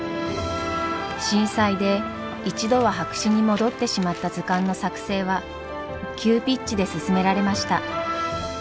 震災で一度は白紙に戻ってしまった図鑑の作成は急ピッチで進められました。